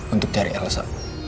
untuk cari elsa